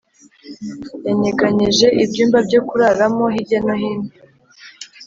yanyeganyeje ibyumba byo kuraramo hirya no hino